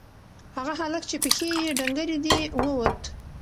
هغه هلک چې پښې یې ډنگرې دي ووت.